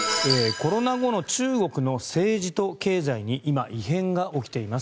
コロナ後の中国の政治と経済に今、異変が起きています。